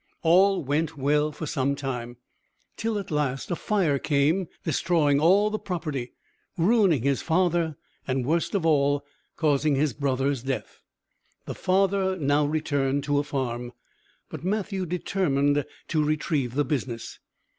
All went well for some time, till at last a fire came, destroying all the property, ruining his father, and worst of all causing his brother's death. The father now returned to a farm, but Mathew determined to retrieve the business.